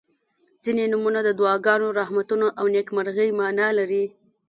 • ځینې نومونه د دعاګانو، رحمتونو او نیکمرغۍ معنا لري.